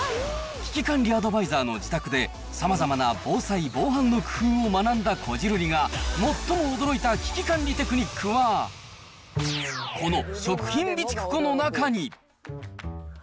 危機管理アドバイザーの自宅で、さまざまな防災・防犯の工夫を学んだこじるりが、最も驚いた危機管理テクニックは、この食品備蓄庫の中に。